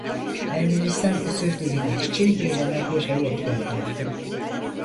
Ermenistan özür dilemek için İran'a bir heyet gönderdi.